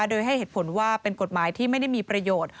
โดยให้เหตุผลว่าเป็นกฎหมายที่ไม่ได้มีประโยชน์